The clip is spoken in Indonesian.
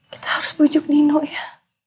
kita harus bujuk nino ya